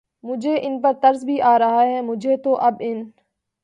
مجھے ان پر ترس بھی آ رہا ہے، مجھے تو اب ان